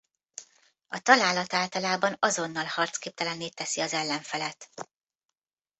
A találat általában azonnal harcképtelenné teszi az ellenfelet.